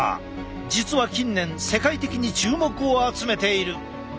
実は近年世界的に注目を集めている！